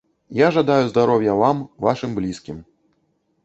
Я жадаю здароўя вам, вашым блізкім.